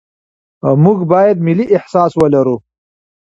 موږ باید ملي احساس ولرو.